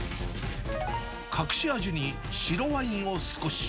隠し味に白ワインを少し。